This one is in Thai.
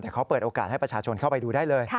แต่เขาเปิดโอกาสให้ประชาชนเข้าไปดูได้เลย